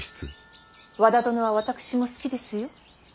和田殿は私も好きですよ。